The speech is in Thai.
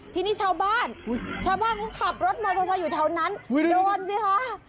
ทีนี้ชาวบ้านชาวบ้านเขาขับรถมอเตอร์ไซค์อยู่แถวนั้นโดนสิคะ